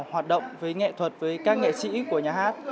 hoạt động với nghệ thuật với các nghệ sĩ của nhà hát